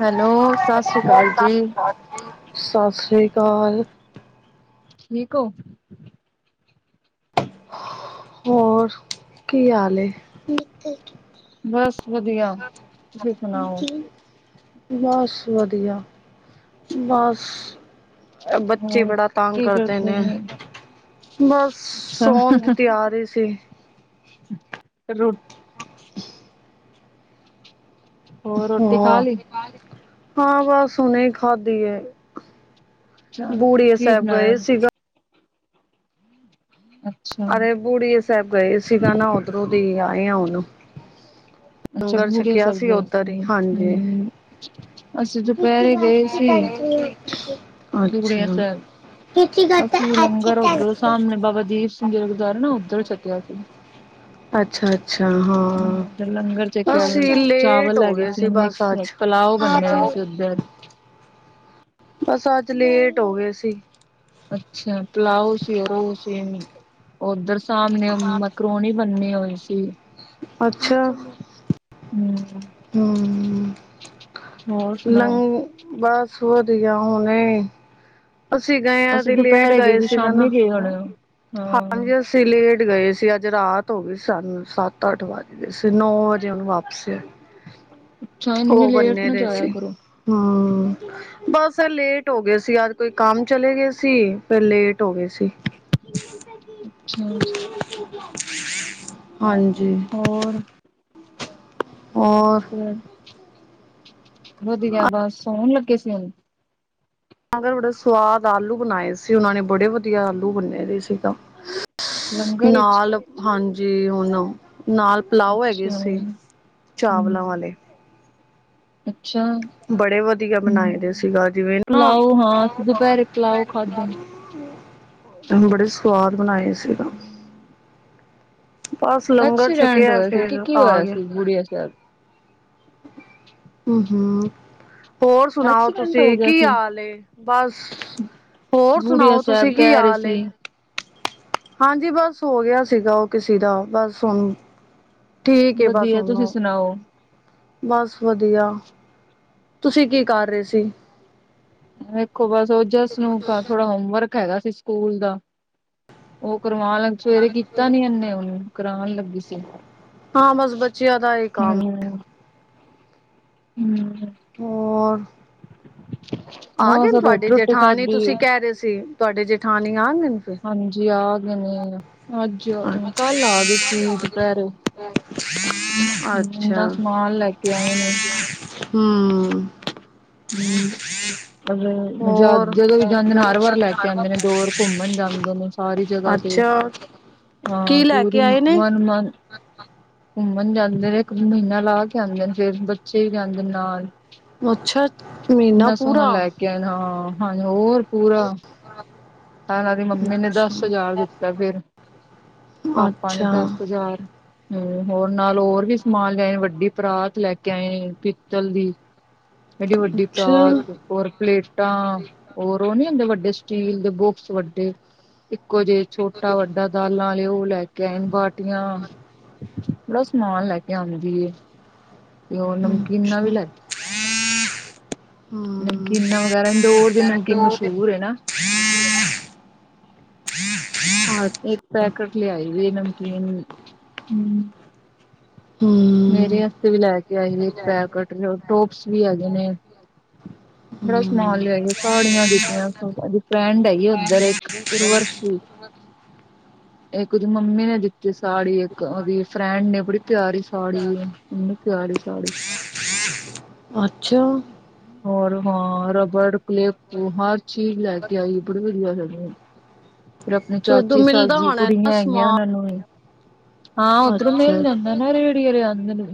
Hello ਸਤਿ ਸ੍ਰੀ ਅਕਾਲ ਜੀ ਸਤਿ ਸ਼੍ਰੀ ਅਕਾਲ। ਠੀਕ ਓ। ਹੋਰ, ਕੀ ਹਾਲ ਏ? ਬਸ ਵਧੀਆ। ਤੁਸੀਂ ਸੁਣਾਓ? ਬਸ ਵਧੀਆ ਬਸ। ਬੱਚੇ ਹੋਰ ਬੜਾ ਤੰਗ ਕੀ ਕਰਦੇ ਨੇ। ਹੋ ਬਸ ਅੱਛਾ ਸੋਣ ਦਿੱ ਤੈਆ ਰਹੀ ਸੀ। ਰੋਟੀ। ਹੋਰ ਰੋਟੀ ਖਾ ਲਈ ਹਾਂ- ਹਾਂ ਬਸ ਉਹਨੇ ਖਾਧੀ ਹੈ। ਅੱਛਾ ਬੂੜੀਆ ਕੀ ਸਾਹਿਬ ਬਣਾਇਆ ਗਏ ਸੀਗਾ। ਅੱਛਾ। ਅਰੇ ਬੂੜੀਏ ਸਾਹਿਬ ਗਏ ਸੀਗਾ ਨਾ। ਉਓਧਰੋਂ ਦੀ ਆਏ ਆ ਉਹਨੂੰ। ਅੱਛਾ। ਬੂੜੀਆਂ ਸਾਹਿਬ ਗਏ ਸੀ। ਹਮ। ਅਸੀਂ ਦੁਪਹਿਰੇ ਗਏ ਸੀ। ਬੂੜੀਆ ਸਾਹਿਬ ਅਸੀਂ ਵੀ ਲੰਗਰ ਉੱਧਰੋਂ ਅੱਛਾ। ਸਾਹਮਣੇ ਬਾਬਾ ਦੀਸ਼ ਸਿੰ ਗੁਰਦੁਆ ਨਾ ਉੱਧਲ ਸੱਤੀਆ ਸੀ। ਅੱਛਾ ਅੱਛਾ ਹਾਂ ਹ ਲੰਗਰ ਛੱਕਿਆ ਅਸੀਂ ਲੇਟ ਚਾਵਲ ਹੋ ਲੇਗ ਗਏ ਸੀ ਬਸ ਮਿਕਸ ਲ ਅੱਜ ਪਲਾਓ ਬੰਣੇ ਹੋਏ ਸੀ ਉੱਧਰ ਬਸ ਅੱਜ ਲੇਟ ਹੋ ਗਏ ਸੀ। ਅੱਛਾ ਪਲਾਓ ਸੀ ਰ ਓਧਰ ਸਾਹਮਣੇ ਮ ਪ੍ਰੋਣੀ ਬੰਨੀ ਹੋਈ ਸੀ। ਅੱਛਾ। ਹਮ। ਹਮ। ਹੋਰ ਲੰ ਸੁਣਾਓ ਬਸ ਵਧੀਆ। ਹੁਣੇ, ਅਸੀਂ ਗਏ। ਆ ਅਸੀਂ ਤੇ ਲੇਟ ਦੁਪਹਿਰੇ ਗਏ ਸੀ, ਸੀਗਾ ਨਾ ਸ਼ਾਮੀ ਗਏ ਹੋਣੇ। ਹਾਂ ਹਾਂਜੀ ਅਸੀਂ ਲੇਟ ਗਏ ਸੀ ਅੱਜ ਰਾਤ ਹੋ ਗਈ ਸਾਨੂੰ ਸੱਤ- ਅੱਠ ਵੱਜ ਗਏ ਸੀ ਨੌ ਵਜੇ ਉਹਨੂੰ ਵਾਪ ਅੱਛਾ ਇੰਨੀ ਉਹ ਲੇਟ ਬੰਨੇ ਨਾ ਦੇ ਜਾਇਆ ਸੀ। ਕਰੋ ਹਮ ਬਸ ਲੇਟ ਹੋ ਗਏ ਸੀ। ਅੱਜ ਕੋਈ ਕੰਮ ਚਲੇ ਗਏ ਸੀ ਫਿਰ ਲੇਟ ਹੋ ਗਏ ਸੀ। ਅੱਛਾ। ਹਾਂਜੀ। ਹੋਰ ਔਰ ਵਧੀਆ ਬਸ, ਸੋਹਣ ਲੱਗੇ ਸੀ ਉਹਨੂੰ। ਅਗਰ ਬੜੇ ਸਵਾਦ ਆਲੂ ਬਣਾਏ ਸੀ ਉਹਨਾਂ ਨੇ ਬੜੇ ਵਧੀਆ ਆਲੂ ਬੰਨੇ ਦੇ ਸੀਗਾ। ਲੰਗਰ ਵਿੱਚ ਨਾਲ ਹਾਂਜੀ। ਹੁਣ ਨਾਲ ਪਾਲੋਓ ਹੈਗੇ ਅੱਛਾ ਸੀ ਚਾਵਲਾਂ ਵਾਲੇ। ਹਮ ਅੱਛਾ। ਬੜੇ ਵਧੀਆ ਬਣਾਏ ਦੇ ਸੀਗਾ ਜਿਵੇਂ ਨਾ ਪੁਲਾਓ ਹਾਂ। ਦੁਪਹਿਰੇ ਪਲਾਓ ਖਾਧਾ। [inaudible] ਬੜੇ ਸਵਾਦ ਬਣਾਏ ਸੀਗਾ। ਬਸ ਲੰਗਰ ਛਕਿਆ। ਫੇਰ ਆ ਗਿਆ। ਬੜੀਆ ਸਾਹਿਬ। ਹਮ -ਹਮ। ਹੋਰ ਸੁਣਾਓ ਐਕਸੀਡੈਂਟ ਹੋ ਤੁਸੀਂ ਗਿਆ ਕੀ ਸੀ ਹਾਲ ਏ? ਬਸ। ਹੋਰ ਬੁੜੀਆ ਸੁਣਾਓ ਸਾਹਿਬ ਤੁਸੀਂ ਕੀ ਕਹਿ ਰਹੇ ਹਾਲ ਏ? ਸੀ ਹਾਂਜੀ। ਬਸ ਹੋ ਗਿਆ ਸੀਗਾ ਉਹ ਕਿਸੇ ਦਾ। ਬਸ ਹੁਣੂੰ ਠੀਕ ਏ ਬਸ ਹੁਨੂੰਹੋ। ਨਾ। ਬਸ ਵਧੀਆ। ਤੁਸੀਂ ਕੀ ਕਰ ਰਹੇ ਸੀ? ਵੇਖੋ ਬਸ ਉਹ ਜਸ ਨੂੰ ਥੋੜਾ ਹੋਮਵਰਕ ਹੈਗਾ ਸੀ ਸਕੂਲ ਦਾ। ਉਹ ਕਰਵਾਉਣ ਲੱਗੀ ਸਵੇਰੇ ਕੀਤਾ ਨੀ ਇਹਨੇ ਉਹਨੂੰ ਕਰਾਉਣ ਲੱਗੀ ਸੀ। ਹਾਂ, ਬਸ ਬੱਚਿਆਂ ਦਾ ਹੀ ਕੰਮ ਹਮ ਹਮ। ਹੋਰ। ਆ ਬਸ ਗਏ ਤੁਹਾਡੇ ਰੋਟੀ ਰੋਟੀ ਜੇਠਾਨੀ ਖਾਧੀ ਤੁਸੀਂ ਕਹਿ ਰਹੇ ਸੀ ਤੁਹਾਡੇ ਜੇਠਾਨੀ ਆ ਗਏ ਫਿਰ। ਹਾਂਜੀ ਆ ਗਏ ਨੇ। ਅੱਜ ਅੱਛਾ ਕੱਲ ਆ ਗਏ ਸੀ ਦੁਪਹਿਰੇ ਕਿਨਾ ਅੱਛਾ ਸਮਾਨ ਲੈ ਕੇ ਆਏ ਨੇ। ਹਮ। ਹਮ ਹੋਰ। ਜਦੋਂ ਵੀ ਜਾਂਦੇ ਨੇ ਹਰ ਵਾਰ ਲੈ ਕੇ ਆਉਂਦੇ ਨੇ ਦੋ ਵਾਰ ਘੁੰਮਣ ਅੱਛਾ। ਕੀ ਹਾਂ ਲੈ ਪੂਰੀ ਕੇ ਆਏ ਨੇ ਵਨ ਮ ਘੁੰਮਣ ਜਾਂਦੇ ਨੇ ਇੱਕ ਮਹੀਨਾ ਲਾ ਕੇ ਆਉਂਦੇ ਨੇ ਫਿਰ ਬੱਚੇ ਵੀ ਜਾਂਦੇ ਨਾਲ। ਅੱਛਾ ਮਹੀਨਾ ਕਿੰਨਾ ਸੋਹਣਾ ਪੂਰਾ ਲੈ ਕੇ ਆ ਹਾਂ ਹਾਂਜੀ ਹੋਰ ਪੂਰਾ ਤਾਂ ਨਾਲ ਦੀ ਮੰਮੀ ਨੇ ਅੱਛਾ ਦੱਸ ਹਜ਼ਾਰ ਦਿੱਤਾ ਫਿਰ। ਪਾਪਾ ਨੇ ਅੱਛਾ ਦਸ ਹਜ਼ਾਰ ਹਮ ਹੋਰ ਨਾਲ ਹੋਰ ਵੀ ਸਮਾਨ ਲੈਏ ਵੱਡੀ ਪਰਾਤ ਲੈ ਕੇ ਆਏ ਪਿੱਤਲ ਦੀ। ਐਡੀ ਵੱਡੀ ਪਰਾਤ ਅੱਛਾ ਅੱਛਾ ਹੋਰ ਪਲੇਟਾਂ ਹੋਰ ਉਹ ਨੀ ਹੁੰਦੇ ਵੱਡੇ ਸਟੀਲ ਦੇ ਬੋਕਸ ਵੱਡੇ ਇੱਕੋ ਜਿਹੇ ਛੋਟਾ ਵੱਡਾ ਦਾਲਾਂ ਵਾਲੇ ਉਹ ਲੈ ਕੇ ਆਏਣ ਬਾਟੀਆਂ ਬੜਾ ਸਮਾਨ ਲੈ ਕੇ ਆਉਂਦੀ ਤੇ ਉਹ ਹਮ ਨਮਕੀਨਾਂ ਵੀ ਲੈ ਨਮਕੀਨਾਂ ਵਗੈਰਾ ਇੰਦੌਰ ਦੀ ਨਮਕੀਨ ਮਸ਼ਹੂਰ ਹੈ ਨਾ। ਹਾਂ। ਇੱਕ ਪੈਕੇਟ ਲਿਆਈ ਵੀਈ ਨਮਕੀਨ ਹਮ। ਮੇਰੇ ਹਮ ਵਾਂਸਤੇ ਵੀ ਲੈ ਕੇ ਆ ਪੈਕਟ ਟੋਪਸ ਵੀ ਹੈਗੇ ਨੇ। ਬੜਾ ਸਮਾਨ ਹਮ ਲਿਆ ਸਾੜੀਆਂ ਦਿੱਤੀਆਂ ਫਰੈਂਡ ਹੈ ਉੱਧਰ ਇੱਕ ਉਰਵਸ਼ੀ। ਵ। ਇੱਕ ਉਹਦੀ ਮੰਮੀ ਨੇ ਦਿੱਤੀ ਸਾੜੀ ਇੱਕ ਉਹਦੀ ਫਰੈਂਡ ਨੇ ਬੜੀ ਪਿਆਰੀ ਸਾੜੀ ਕਿੰਨੀ ਪਿਆਰੀ ਸਾੜੀ ਅੱਛਾ। ਹੋਰ ਹਾਂ ਰਬੜ ਕਲਿੱਪ ਹਰ ਚੀਜ਼ ਲੈ ਕੇ ਆਈ ਬੜੀ ਵਧੀਆ ਸਾਨੂੰ ਫੇਿਰ ਆਪਣੇ ਜਦੋਂ ਚਾਚੀ ਸੱਸ ਮਿਲਦਾ ਦੀਆ ਹੋਣਾ ਨਾ ਕੁੜੀਆਂ ਹੈਗੀਆਂ ਸਮਾਨ ਉਹਨਾਂ ਨੂੰ ਵੀ ਹਾਂ ਉਧਰੋਂ ਮਿਲ ਅੱਛਾ ਜਾਂਦਾ ਨਾ ਰੇੜੀ ਵਾਲਿਆਂ ਕੋਲੋਂ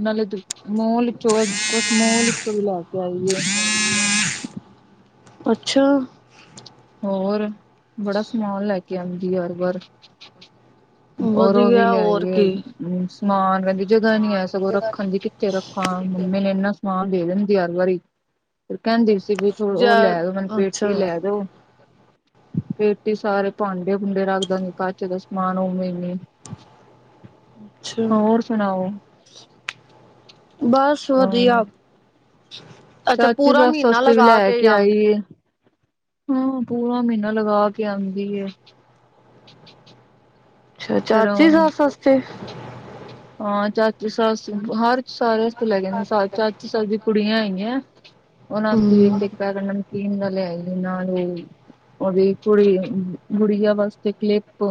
ਮਾਲ ਕੁਛ ਮਾਲ ਚੋਂ ਵੀ ਲੈ ਕੇ ਆਂਦੀ ਹੈ। ਅੱਛਾ। ਹੋਰ ਬੜਾ ਸਮਾਨ ਲੈ ਕੇ ਆਉਂਦੀ ਹਰ ਵਾਰ। ਔਰ ਓਹ ਵੀ ਵਧੀਆ ਹੋਰ ਲਿਆਈਏ। ਕੀ ਹਮ ਸਮਾਨ ਕਹਿੰਦੀ ਜਗ੍ਹਾ ਨੀ ਆ ਸਗੋਂ ਰੱਖਣ ਦੀ ਕਿੱਥੇ ਰੱਖਾਂ ਮੰਮੀ ਨੇ ਇਨਾ ਮਾਂ ਦੇ ਦਿੰਦੀ ਹਰ ਵਾਰੀ ਫਿਰ ਕਹਿੰਦੀ ਸੀ ਵੀ ੋ ਉਹ ਜਾਂ ਲੈ ਦਓ ਮੈਨੂੰ ਅੱਛਾ ਪੇਟੀ ਲੈ ਦਓ। ਪੇਟੀ ਸਾਰੇ ਭਾਂਡੇ ਭੂੰਡੇ ਰੱਖਦਾ ਨ ਕਾਚੇ ਦਾ ਸਮਾਨ ਉਵੇਂ ਨੀ ਅੱਛਾ ਹੋਰ ਸੁਣਾਓ? ਬਸ ਅ ਵਧੀਆ। ਅੱਛਾ ਚਾਚੀ ਪੂਰਾ ਸਸ ਮਹੀਨਾ ਵਸਤੇ ਵੀ ਲਗਾ ਲੈ ਕੇ ਜਾਂਦੇ ਆਈਏ। ਹਾਂ ਪੂਰਾ ਮਹੀਨਾ ਲਗਾ ਕੇ ਆਉਂਦੀ। ਅੱਛਾ ਫੇਰ ਚਾਚੀ ਸੱਸ ਵਾਸਤੇ ਹਾਂ ਚਾਚੀ ਸਸ ਹਰ ਸਾਰੇ ਥ ਲੈ ਜਾਂਦੇ ਚਾਚੀ ਦੀ ਕੁੜੀਆਂ ਆਈਗੀਆਂ ਉਹਨਾਂ ਵਾਸਤੇ ਵੀ ਇੱਕ ਹਮ ਇੱਕ ਪੈਕਟ ਨਮਕੀਨ ਦਾ ਲਿਆਈ ਨਰਾਣ ਵਾਸਤੇ ਉਹਦੀ ਕੁੜੀ ਗੁੜੀਆਂ ਵਾਸਤੇ ਕਲਿੱਪ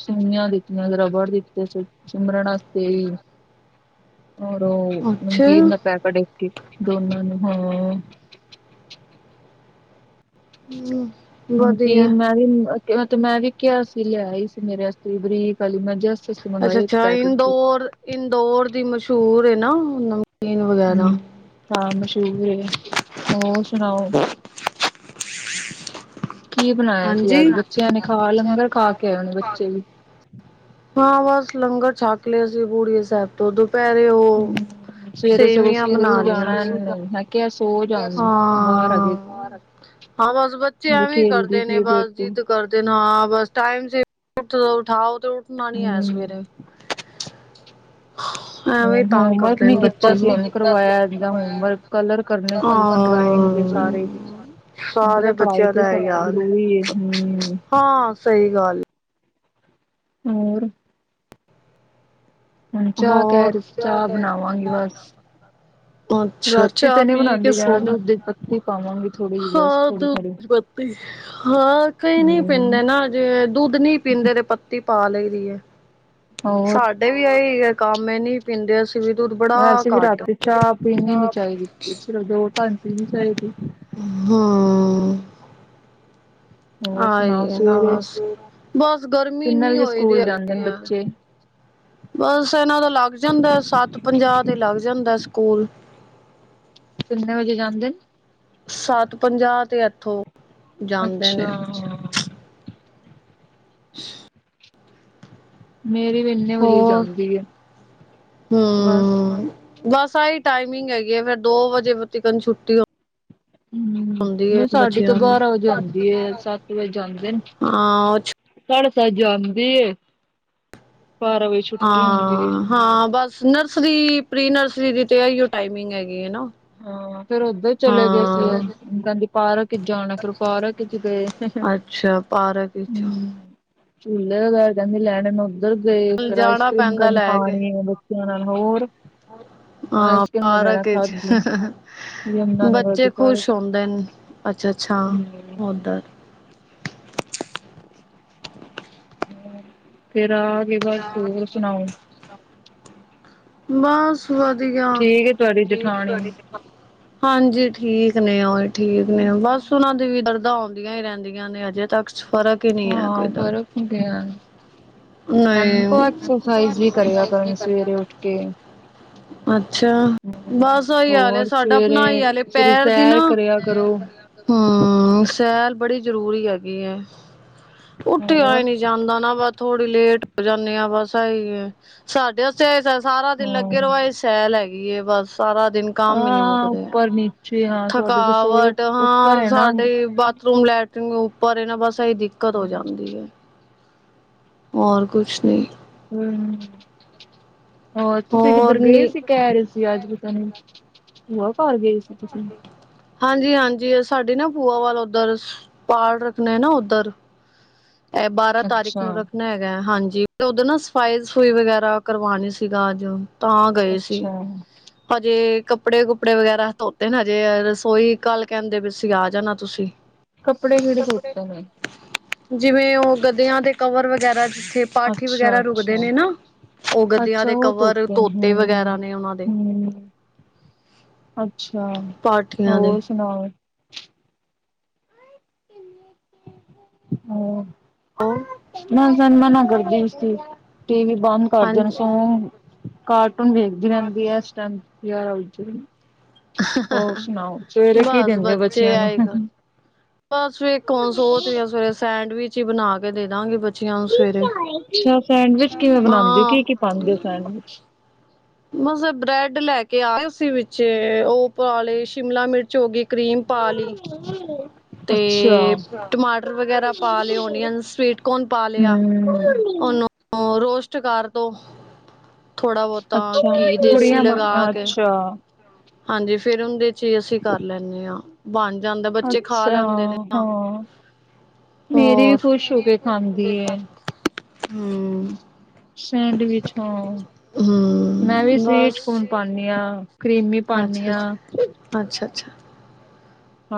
ਸੂਈਆ ਦਿੱਤੀਆਂ ਰਬੜ ਦਿਤੇ ਸਿਮਰਨ ਤੇ ਹੋਰ ਓਹ ਅੱਛਾ ਨਮਕੀਨ ਦਾ ਪੈਕ। ਬੜੇ ਗਿਫ਼ਟ ਦੋਨਾਂ ਨੂੰ ਹਾਂ [unintelligible] ਵਧੀਆ ਨਮਕੀਨ ਮੈਂ ਵੀ ਮੈਂ ਵੀ ਕਿਹਾ ਸੀ ਲਿਆ ਹੀ ਸੀ ਮੇਰੇ ਇਸ ਬਰੀਕ ਵਾਲੀ ਮੈਂ ਜ ਅੱਛਾ ਅੱਛਾ ਇੰਦੋਰ ਇੰਦੋਰ ਦੀ ਮਸ਼ਹੂਰ ਨਾ ਨਮਕੀਨ ਵਗੈਰਾ ਹੂੰ ਹਾਂ ਮਸ਼ਹੂਰ ਏ ਹੋਰ ਸੁਣਾਓ ਕੀ ਬਣਾਇਆ ਸੀ ਹਾਂਜੀ ਅੱਜ ਬੱਚਿਆਂ ਨੇ ਖਾ ਲੰਗਰ ਖਾ ਕੇ ਆਏ ਹਨ ਬੱਚੇ ਵੀ ਹਾਂ ਬਸ ਲੰਗਰ ਛਕ ਲਿਆ ਸੀ ਬੂੜੀਏ ਸਾਹਿਬ ਤੋਂ ਉ ਪੈਰੇ ਉਹ ਹੂੰ ਸਵੇਰੇ ਸਗੋਂ ਸੇਵੀਆਂ ਬਣਾ ਸਕੂਲ ਲਈਆਂ ਜਾਣਾ ਇਹਨਾਂ ਸੀ ਨੇ ਮੈਂ ਕਿਹਾ ਸੋ ਜਾ ਹੁਣ ਬਾਹਰ ਹਜੇ ਹਾਂ ਹਾਂ ਬਸ ਬੱਚੇ ਹਜੇ ਐਵੇਂ ਖੇਲਦੀ ਕਰਦੇ ਪਈ ਨੇ ਏ ਬਸ ਬੇਟੀ ਹੂੰ। ਜਿੱਦ ਕਰਦੇ ਨ ਹਾਂ ਬਸ ਟਾਈਮ ਸਿਰ ਉਠਾਓ ਤੇ ਉਠਣਾ ਨੀ ਆਇਆ ਸਵੇਰੇ ਹ ਐਵੇਂ ਤੰਗ ਹੋਮਵਰਕ ਕਰਦੇ ਨਿ ਨੇ ਕੀਤਾ ਬੱਚੇ ਸੀ ਨੂੰ ਉਹਨੂੰ ਕਰਵਾਇਆ ਜਾਂ ਹੋਮਵਰਕ ਕਲਰ ਕਰਨੇ ਸੀ ਡਰਾਇੰਗ ਦੇ ਹਾਂ ਸਾਰੇ ਤੁਹਾਨੂੰ ਪਤਾ ਸਾਰੇ ਪੜ੍ਹਾਈ ਬੱਚਿਆਂ ਤੇ ਦਾ ਸਭ ਇਹੀ ਹਾਲ ਜ਼ਰੂਰੀ ਹੈ ਹਮ ਹਾਂ ਸਹੀ ਗੱਲ ਹੋਰ ਹੁਣ ਚਾਹ ਕਹਿ ਹੋਰ ਰਹੇ ਸੀ ਚਾਹ ਬਣਾਵਾਂਗੀ ਬਸ ਅੱਛਾ ਰਾਤੀ ਚਾਹ ਤਾਂ ਨਹੀਂੀ ਪੀ ਕੇ ਬਣਾਉਂਦੀ ਰਣਾ ਸੋਣ ਦੁੱਧ ਦੀ ਪਤੀ ਪਾਵਾਂਗੀ ਥੋੜ੍ਹੀ ਜਿਹੀ ਬਸ ਹਾਂ ਥੋੜੀ ਥੋੜ੍ਹੀ ਦੁੱਧ ਹਾਂ ਕਈ ਨਈ ਪੀਂਦੇ ਨਾ ਜੇ ਦੁੱਧ ਨਹੀਂ ਪੀਂਦੇ ਤੇ ਪੱਤੀ ਪਾ ਲਈ ਦੀ ਹੋਰ ਸਾਡੇ ਵੀ ਆਹੀ ਕੰਮ ਇਹ ਨਹੀਂ ਪੀਂਦੇ ਦੁੱਧ ਬੜਾ ਵੈਸੇ ਵੀ ਘੱਟ ਰਾਤੀ ਚਾਹ ਪੀਣੀ ਨੀ ਚਅ ਚਾਹੀਦੀ, ਸਿਰਫ ਦੋ ਟਾਈਮ ਪੀਣੀ ਚਾਹੀਦੀ। ਹਾ ਹੋਰ ਸੁਣਾਓ ਹੈ ਨਾ ਸਵੇਰੇ ਬਸ ਬਸ ਗਰਮੀ ਕਿੰਨੇ ਇੰਨੀ ਵਜੇ ਹੋਈ ਦੀ ਸਕੂਲ ਜਾਂਦੇ ਹੈਗੀ ਨੇ ਆ ਬੱਚੇ ਬਸ ਇਹਨਾਂ ਦਾ ਲੱਗ ਜਾਂਦਾ ਸੱਤ ਪੰਜਾਹ ਤੇ ਲੱਗ ਜਾਂਦਾ ਸਕੂਲ ਕਿੰਨੇ ਵਜੇ ਜਾਂਦੇ ਨੇ ਸੱਤ ਪੰਜਾਹ ਤੇ ਇੱਥੋਂ ਜਾਂਦੇ ਅੱਛਾ, ਨੇ [unintelligible] ਮੇਰੀ ਵੀ ਇੰਨੇ ਵਜੇ ਹੋਰ ਜਾਂਦੀ ਆ ਬਸ ਹੂੰ ਬਸ ਆਹੀ ਟਾਈਮਿੰਗ ਹੈਗੀਏ ਫੇਰ ਦੋ ਵਜੇਤੀਕਨ ਛੁੱਟੀ [inaudible] ਹਮ ਹੁੰਦੀ ਹੈ ਨਹੀਂ ਸਾਢੇ ਤੋਂ ਬੱਚਿਆਂ ਦੀ ਬਾਰਾਂ ਵਜੇ ਆਉਂਦੀ ਆ ਸੱਤ ਵਜੇ ਜਾਂਦੇ ਨੇ ਹਾਂ ਉਹ ਛੁ ਸਾਡੇ ਸੱਤ ਜਾਗਦੀ ਏ ਬਾਰਾਂ ਵਜੇ ਛੁੱਟੀ ਹੁੰਦੀ ਏ। ਹਾਂ ਹਾਂ ਬਸ ਨਰਸਰੀ ਪ੍ਰੀ ਨਰਸਰੀ ਦੀ ਤੇ ਇਹੀਓ ਟਾਈਮਿੰਗ ਹੈਗੀ ਹੈ ਨਾ ਹਾਂ ਫੇਰ ਉਦਰ ਚਲੇ ਗਏ ਸੀ ਉਹ ਹਾਂ ਕਹਿੰਦੀ ਪਾਰਕ ਚ ਜਾਣਾ ਫਿਰ ਪਾਰਕ ਚ ਗਏ ਅੱਛਾ ਪਾਰਕ ਵਿੱਚ ਝੁਲੇ ਕਹਿੰਦੀ ਲੈਣੇਨ ਉੱਧਰ ਗਏ ਫੇਰ ਆਈਸ ਜਾਣਾ ਕਰ੍ਰੀਮ ਪੈਂਦਾ ਲੈ ਕੇ ਖਾਣੀ ਏ ਨਾਲ ਹੋਰ ਹਾਂ ਆਈਸ ਕਰ੍ਰੀਮ ਵਗੈਰਾ ਪਾਰਕ ਵਿੱਚ ਖਾਦੀ [unintelligible] ਯਮੁਨਾ ਨਗਰ ਦੇ ਬੱਚੇ ਖੁਸ਼ ਪਾਰਕ ਹੁੰਦੇ ਨੇ ਅੱਛਾ ਅੱਛਾ ਉਧਰ ਫ਼ਿਰ ਆ ਕੇ ਬਸ ਹੋਰ ਸੁਣਾਓ ਬਸ ਵਧੀਆ ਠੀਕ ਹੈ ਤੁਹਾਡੀ ਜਠਾਣੀ ਹਾਂਜੀ ਠੀਕ ਨੇ ਉਹੀ ਠੀਕ ਨੇ ਬਸ ਉਹਨਾ ਦੇ ਵੀ ਦਰਦਾ ਹੀ ਰਹਿੰਦੀਆਂ ਨੇ ਅਜੇ ਤੱਕ ਫਰਕ ਹਾ ਫ਼ਰਕ ਹੁੰਦੇ ਏ ਨਈ ਕਰਨਾ ਕਰਿਆ ਕਰਨ ਸਵੇਰੇ ਉੱਠ ਕੇ ਪੈਂਦਾ ਅੱਛਾ ਹੂੰ ਬਸ ਉਹੀ ਹਾਲ ਹੋਰ ਸਾਡਾ ਸਵੇਰੇ ਆਪਣਾਈ ਹਾਲ ਹੈ ਸਵੇਰੇ ਪੈਰ ਦੀ ਨਾ ਸੈਰ ਕਰਿਆ ਕਰੋ ਹਮ ਸੈਰ ਬੜੀ ਜ਼ਰੂਰੀ ਹੈਗੀ ਹੈ ਉੱਠੇ ਆ ਹੀ ਹੋਰ ਨੀ ਜਾਂਦਾ ਨਾ ਥੋੜੀ ਲੇਟ ਹੋ ਜਾਂਦੇ ਆ ਬਸ ਆਈ ਸਾਡੇ ਉਥੇ ਸਾਰਾ ਦਿਨ ਲੱਗੇ ਹਾਂ ਰਵਾ ਇਹ ਸੈਲ ਹੈਗੀ ਏ ਬਸ ਸਾਰਾ ਦਿਨ ਕੰਮ ਹੀ ਨੀ ਹਾਂ ਮੁੱਕਦੇ ਆ ਉੱਪਰ ਨੀਚੇ ਹਾਂ ਤੁਹਾਡੀ ਰਸੋਈ ਥਕਾਵਟ ਉੱਪਰ ਹਾਂ ਹੈ ਨਾ ਸਾਡੇ ਬਾਥਰੂਮ ਲੈਟਰਿਨ ਉੱਪਰ ਇਹ ਨਾ ਬਸ ਇਹੀ ਦਿੱਕਤ ਹੋ ਜਾਂਦੀ ਹੂੰ ਹੈ ਹੋਰ ਕੁਛ ਨਹੀਂ ਹੂ ਹੋਰ ਤੁਸੀਂ ਕਿੱਧਰ ਗਏ ਸੀ। ਕਹਿ ਰਹੇ ਸੀ ਅੱਜ ਵੀ ਤਾਂ ਨਹੀਂ ਭੂਆ ਕਰ ਗਏ। ਤੁਸੀਂ [unintelligible] ਹਾਂਜੀ ਹਾਂਜੀ ਸਾਡੀ ਨਾ ਭੂਆ ਵੱਲ ਉੱਧਰ ਪਾਠ ਰੱਖਣੇ ਨਾ ਉੱਧਰ ਇਹ ਬਾਰਾਂ ਤਾਰੀਕ ਅੱਛਾ ਨੂੰ ਰੱਖਣਾ ਹੈਗਾ ਹੈ ਹਾਂਜੀ ਤੇ ਓਦੋਂ ਨਾ ਸਫ਼ਾਈ ਸਫਈ ਵਗੈਰਾ ਕਰਵਾਉਣੀ ਸੀਗਾ ਅੱਜ ਤਾਂ ਗਏ ਸੀ। ਅੱਛਾ ਹਜੇ ਕੱਪੜੇ ਕੁਪੜੇ ਵਗੈਰਾ ਧੋਤੇ ਨਾ ਹਜੇ ਰਸੋਈ ਕੱਲ ਕਹਿੰਦੇ ਵੀ ਅਸੀਂ ਆ ਜਾਣਾ ਤੁਸੀਂ ਕੱਪੜੇ ਕਿਹੜੇ ਧੋਤੇ ਅਰ ਜਿਵੇਂ ਉਹ ਗਦਿਆਂ ਦੇ ਕਵਰ ਵਗੈਰਾ ਜਿੱਥੇ ਪਾਠੀ ਅੱਛਾ ਵਗੈਰਾ ਰੁਕਦੇ ਅੱਛਾ ਦੇ ਨਾ ਉਹ ਗਦਿਆਂ ਅੱਛਾ ਦੇ ਉਹ ਕਵਰ ਧੋਤੇ ਨੇ ਤੋਤੇ ਹੂੰ ਵਗੈਰਾ ਨੇ ਉਹਨਾਂ ਦੇ ਹੂੰ ਅੱਛਾ ਪਾਠੀਆਂ ਦੇ। ਹੋਰ ਸੁਣਾ ਹੋਰ ਉਹ ਮੈਂ ਤੇ ਮਨਾ ਕਰਦੀ ਸੀ ਟੀ ਵੀ ਬੰਦ ਕਰ ਦੇਣ ਹਾਂਜੀ ਸੋ ਕਾਰਟੂਨ ਵੇਖਦੀ ਰਹਿੰਦੀ ਹੈ ਇਸ ਟਾਈਮ ਯਾਰ [unintelligible] ਹੋਰ ਸੁਣਾਓ ਸਵੇਰੇ ਕੀ ਬਸ ਦਿੰਦੇ ਆ ਬੱਚੇ ਬੱਚਿਆਂ ਨੂੰ ਆਏਗਾ। ਬਸ ਵਣ ਸੋਚਰੀਆਂ ਸਵੇਰੇ ਸੈਂਡਵਿਚ ਹੀ ਬਣਾ ਕੇ ਦੇ ਦਾਂਗੇ ਬੱਚੀਆਂ ਨੂੰ ਸਵੇਰੇ। ਅੱਛਾ ਸੈਂਡਵਿਚ ਕਿਵੇਂ ਬਣਾਉਂਦੇ ਹੋ ਹਾਂ ਕੀ ਕੀ ਪਾਉਂਦੇ ਹੋ ਸੈਂਡਵਿਚ ਮਸ ਬ੍ਰੈਡ ਲੈ ਕੇ ਆ ਵਿੱਚ ਪਿੱਛੇ ਉਹ ਪਾ ਲਈ ਸ਼ਿਮਲਾ ਮਿਰਚ ਹੋ ਗਈ ਕਰੀਮ ਪਾ ਲਈ [unintelligible] ਅੱਛਾ ਤੇ ਟਮਾਟਰ ਵਗੈਰਾ ਪਾ ਲਿਆ ਓਨੀਅਨ ਸਵੀਟਕਨ ਪਾ ਲਿਆ ਹਮ ਉਹਨੂੰ ਰੋਸਟ ਕਰਦੋ ਥੋੜਾ ਬਹੁਤਾ ਅੱਛਾ ਘੀ ਦੇਸੀ ਗੁੜੀਆਂ ਮ ਲਗਾ ਕੇ ਅੱਛਾ ਹਾਂਜੀ ਫਿਰ ਉਹਦੇ ਚ ਹੀ ਅਸੀਂ ਕਰ ਲੈਂਦੇ ਹਾਂ ਬਣ ਜਾਂਦਾ ਬੱਚੇ ਖਾ ਅੱਛਾ ਲੈਂਦੇ ਨੇ ਹਾਂ ਮੇਰੀ ਵੀ ਹੋਰ ਖੁਸ਼ ਹੋ ਕੇ ਖਾਂਦੀ ਹੈ ਹੂ ਸੈਂਡਵਿਚ ਹਾਂ ਮੈਂ ਵੀ ਹਮ ਸਵੀਟ ਬਸ ਕੋਰਨ ਪਾਦੀ ਹਾਂ। ਕਰੀਮੀ ਪਾਨੀ ਅੱਛਾ ਆ ਅੱਛਾ ਅੱਛਾ ਅੱਛਾ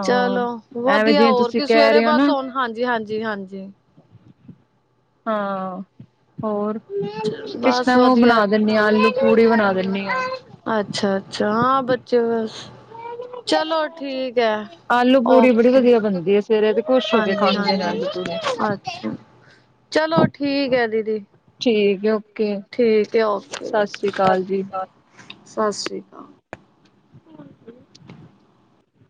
ਚਲੋ ਵਧੀਆ ਜਿਵੇਂ ਹੋਰ ਤੁਸੀਂ ਕੀ ਕਹਿ ਸਵੇਰੇ ਰਹੇ ਹੋ ਬਸ ਨਾ ਹਾਂਜੀ ਹਾਂਜੀ ਹਾਂਜੀ ਹਾਂ ਹੋਰ ਕਿਸ ਬਸ ਤਰ੍ਹਾਂ ਉਹ ਵਧੀਆ ਬਣਾ ਦਿੰਦੀ ਆ ਆਲੂ ਪੂੜੀ ਬਣਾ ਦਿੰਦੀ ਆ ਅੱਛਾ ਅੱਛਾ ਹਾਂ ਬੱਚੇ ਬਸ ਚਲੋ ਠੀਕ ਹੈ। ਆਲੂ ਪੂੜੀ ਬੜੀ ਓਕੇ ਵਧੀਆ ਬਣਦੀ ਹੈ ਸਵੇਰੇ ਤੇ ਖੁਸ਼ ਹੋ ਕੇ ਹਾਂਜੀ ਖਾਂਦੇ ਨੇ ਹਾਂਜੀ ਆਲੂ ਅੱਛਾ ਪੂੜੀ। ਚਲੋ ਠੀਕ ਹੈ ਦੀਦੀ ਠੀਕ ਹੈ ਓ ਠੀਕ ਹੈ ਓਕੇ ਸਤਿ ਜੀ। ਅਕਾਲ ਸਤਿ ਸ਼੍ਰੀ ਅਕਾਲ